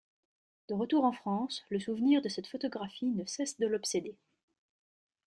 De retour en France, le souvenir de cette photographie ne cesse de l'obséder.